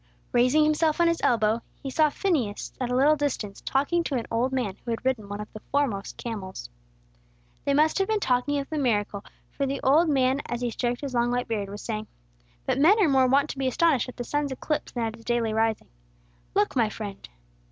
Raising himself on his elbow, he saw Phineas at a little distance, talking to an old man who had ridden one of the foremost camels. They must have been talking of the miracle, for the old man, as he stroked his long white beard, was saying, "But men are more wont to be astonished at the sun's eclipse, than at his daily rising. Look, my friend!"